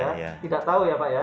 tidak tahu ya pak ya